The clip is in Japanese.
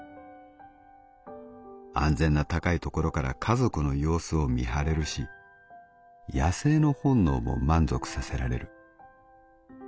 「安全な高い所から家族の様子を見張れるし野性の本能も満足させられる。